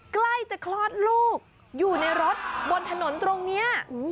ใกล้จะคลอดลูกอยู่ในรถบนถนนตรงนี้